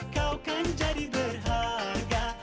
kau kan jadi berharga